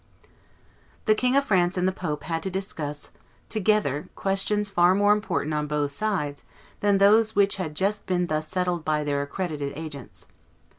The King of France and the pope had to discuss together questions far more important on both sides than those which had just been thus settled by their accredited agents.